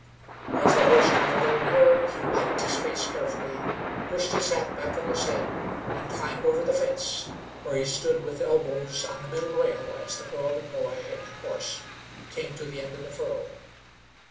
As the horse got a little nearer he wiped his face carefully, pushed his hat back on his head, and climbed over the fence, where he stood with elbows on the middle rail as the girl and boy and horse came to the end of the furrow.